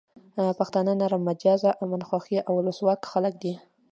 پښتانه نرم مزاجه، امن خوښي او ولسواک خلک دي.